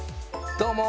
どうも！